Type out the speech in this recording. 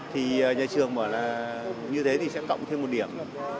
thì nhà trường bảo là như thế thì sẽ cộng thêm một điểm